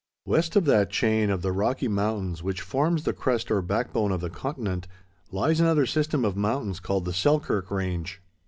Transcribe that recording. _ West of that chain of the Rocky Mountains which forms the crest or backbone of the continent, lies another system of mountains called the Selkirk Range.